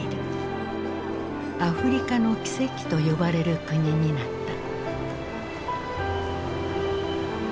「アフリカの奇跡」と呼ばれる国になった。